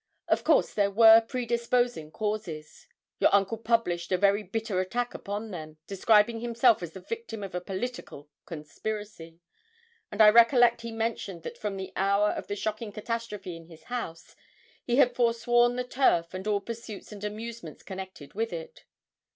Of course there were predisposing causes. Your uncle published a very bitter attack upon them, describing himself as the victim of a political conspiracy: and I recollect he mentioned that from the hour of the shocking catastrophe in his house, he had forsworn the turf and all pursuits and amusements connected with it.